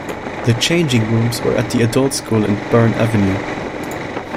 The changing rooms were at the Adult School in Bourne Avenue.